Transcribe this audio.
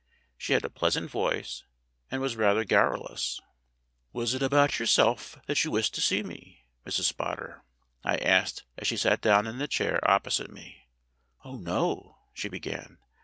She had a pleasant voice and was rather garrulous. "Was it about yourself that you wished to see me, Mrs. Spotter?" I asked as she sat down in the chair opposite me. "Oh, no," she began.